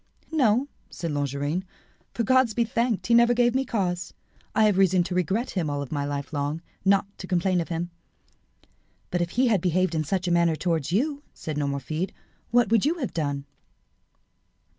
"No," said Longarine, "for, God be thanked, he never gave me cause. I have reason to regret him all my life long, not to complain of him." "But if he had behaved in such a manner towards you," said Nomerfide, "what would you have done?"